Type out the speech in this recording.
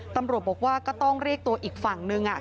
ตำรวจบอกว่าก็ต้องเรียกตัวอีกฝั่งนึง